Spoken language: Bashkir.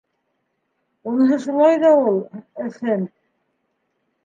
—Уныһы шулай ҙа ул, әфем!